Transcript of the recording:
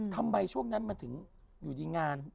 ทำไมช่วงนั้นมันถึงอยู่ดีงาน